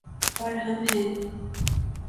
اور ہم ہیں۔